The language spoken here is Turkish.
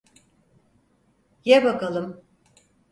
Ye bakalım.